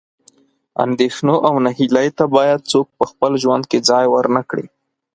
اندېښنو او نهیلۍ ته باید څوک په خپل ژوند کې ځای ورنه کړي.